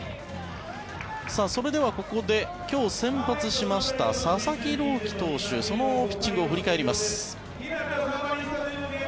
それではここで今日、先発しました佐々木朗希投手そのピッチングを振り返ります。